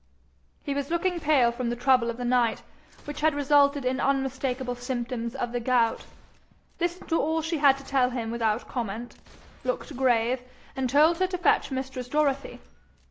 He was looking pale from the trouble of the night, which had resulted in unmistakeable symptoms of the gout, listened to all she had to tell him without comment, looked grave, and told her to fetch mistress Dorothy.